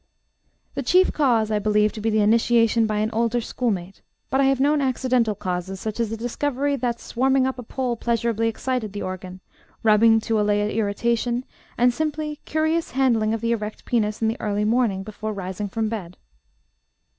"The chief cause I believe to be initiation by an older schoolmate. But I have known accidental causes, such as the discovery that swarming up a pole pleasurably excited the organ, rubbing to allay irritation, and simple, curious handling of the erect penis in the early morning before rising from bed."